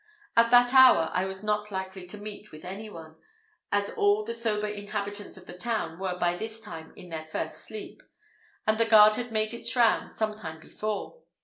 At that hour I was not likely to meet with any one, as all the sober inhabitants of the town were by this time in their first sleep, and the guard had made its round some time before.